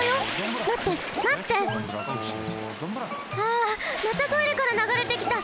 あまたトイレからながれてきた！